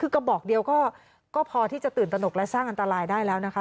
คือกระบอกเดียวก็พอที่จะตื่นตนกและสร้างอันตรายได้แล้วนะคะ